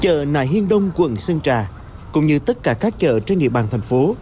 chợ nại hiên đông quận sơn trà cũng như tất cả các chợ trên địa bàn thành phố